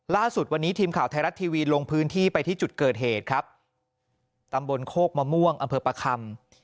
ล่าสุดวันนี้ทีมข่าวไทยรัฐทีวีลงพื้นที่ไปที่จุดเกิดเหตุครับตำบลโคกมะม่วงอำเภอประคำ